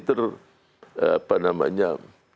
ter apa namanya